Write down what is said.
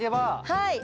はい。